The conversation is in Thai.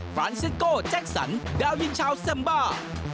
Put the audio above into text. ฟรานเซ็กโกแจ็คสันดาวินชาวเซ็มบ้า